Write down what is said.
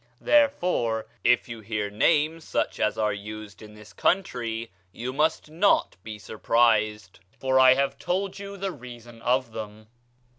Therefore, if you bear names such as are used in this country, you must not be surprised, for I have told you the reason of them.